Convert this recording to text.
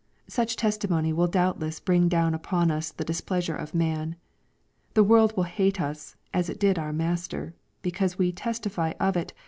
Such testimony will doubtless bring down upon us the displeasure of man. The world will hate us, as it did our Master, because we " testify of it.